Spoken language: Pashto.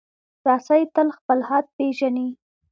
رسۍ تل خپل حد پېژني.